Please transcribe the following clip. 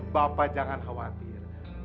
bapak jangan khawatir